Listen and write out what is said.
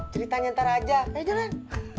ceritanya ntar aja ayo jalan